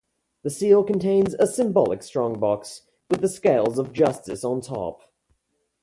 The seal contains a symbolic strongbox, with the Scales of Justice on top.